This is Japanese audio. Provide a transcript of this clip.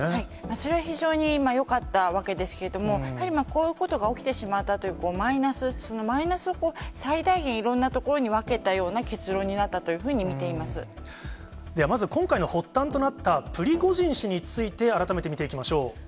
それは非常によかったわけですけれども、やはりこういうことが起きてしまったというマイナス、そのマイナスを最大限いろんなところに分けたような結論になったではまず、今回の発端となったプリゴジン氏について、改めて見ていきましょう。